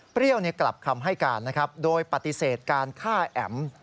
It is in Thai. เปรี้ยวกลับคำให้การโดยปฏิเสธการฆ่าแอ๋ม